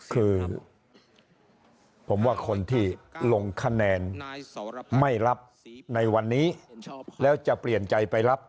คือผมว่าคนที่ลงคะแนนไม่รับในวันนี้แล้วจะเปลี่ยนใจไปรับ